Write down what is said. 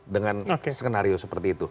dengan skenario seperti itu